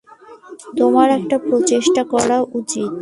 তোমার একটা প্রচেষ্টা করা উচিত।